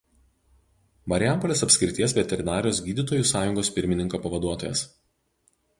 Marijampolės apskrities veterinarijos gydytojų sąjungos pirmininko pavaduotojas.